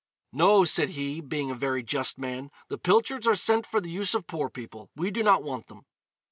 'No,' said he, being a very just man, 'the pilchards are sent for the use of poor people; we do not want them.'